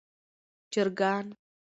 چرګان